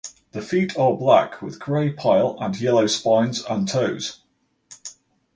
The feet are black with grey pile and yellow spines and toes.